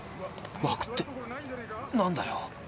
「枠」ってなんだよ。